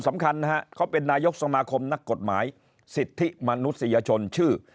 สำคัญนะฮะเขาเป็นนายกสมาคมนักกฎหมายสิทธิมนุษยชนชื่อ